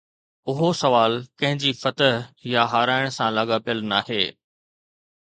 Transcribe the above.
اهو سوال ڪنهن جي فتح يا هارائڻ سان لاڳاپيل ناهي.